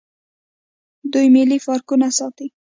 دوی ملي پارکونه ساتي.